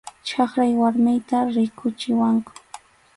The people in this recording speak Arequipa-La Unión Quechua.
Chayraq warmiyta rikuchiwanku.